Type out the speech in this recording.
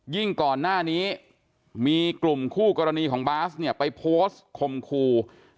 ยิ่งก่อนหน้านี้มีกลุ่มคู่กรณีของบ๊าซไปโพสต์คมคู